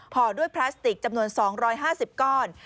ห่อด้วยพลาสติกจำนวน๒๕๐ก้อน